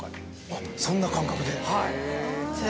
あっそんな感覚で。